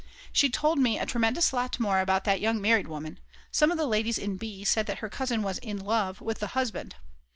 She told me a tremendous lot more about that young married woman; some of the ladies in B. said that her cousin was in love with the husband.